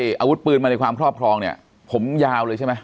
อาวุธปืนมาในความครอบครองเนี่ยผมยาวเลยใช่ไหม